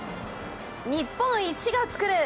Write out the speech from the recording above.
「日本一が作る！